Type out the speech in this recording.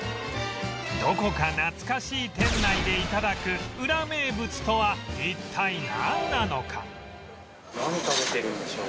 どこか懐かしい店内で頂くウラ名物とは一体なんなのか？